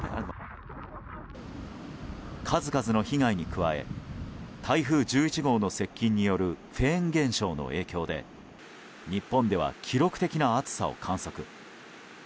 数々の被害に加え台風１１号の接近によるフェーン現象の影響で日本では記録的な暑さを観測。